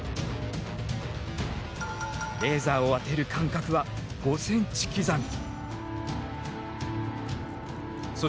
レーザーを当てる間隔は５ｃｍ刻み。